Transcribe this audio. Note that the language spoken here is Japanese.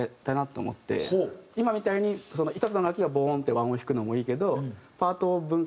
今みたいに１つの楽器がボーンって和音弾くのもいいけど。